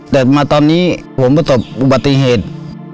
แต่มาตอนนี้ผมประสบอุบัติเหตุ